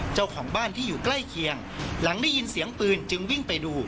เจ้าของบ้านที่อยู่ใกล้เคียงหลังได้ยินเสียงปืนจึงวิ่งไปดู